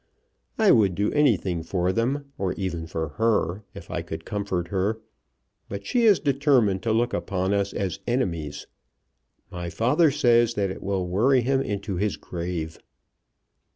I would do anything for them, or even for her, if I could comfort her; but she is determined to look upon us as enemies. My father says that it will worry him into his grave."